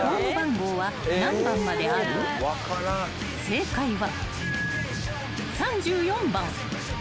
［正解は］